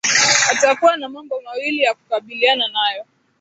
atakuwa na mambo mawili ya kukabiliana nayo